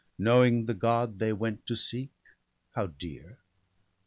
Knowing the God they went to seek, how dear.